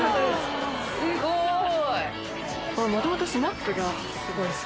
すごい。